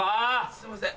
すいません。